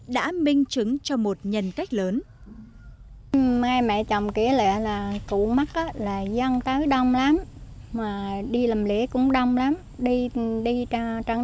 đã minh chứng cho một nhân cách lớn